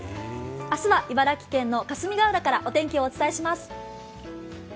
明日は茨城県霞ケ浦からお天気をお伝えします。